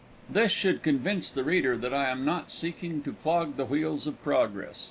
This should convince the reader that I am not seeking to clog the wheels of progress.